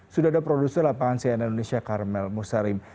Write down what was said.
sudada produser lapangan cna indonesia karmel musarim